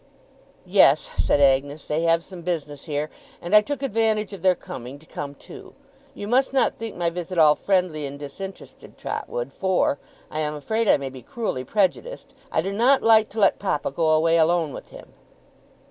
'Yes,' said Agnes. 'They have some business here; and I took advantage of their coming, to come too. You must not think my visit all friendly and disinterested, Trotwood, for I am afraid I may be cruelly prejudiced I do not like to let papa go away alone, with him.